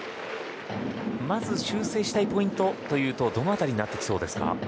まず修正したいポイントはどの辺りになってきますか。